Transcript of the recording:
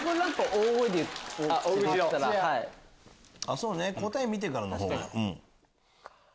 そうね答え見てからのほうが。